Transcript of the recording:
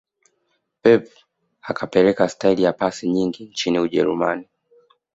pep akapeleka staili ya pasi nyingi nchini ujerumani